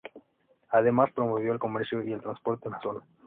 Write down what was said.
Además promovió el comercio y el transporte en la zona.